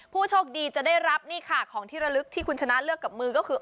ผู้โชคดีจะได้รับนี่ค่ะของที่ระลึกที่คุณชนะเลือกกับมือก็คือ